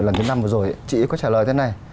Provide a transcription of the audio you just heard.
lần thứ năm vừa rồi chị có trả lời thế này